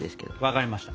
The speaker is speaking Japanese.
分かりました。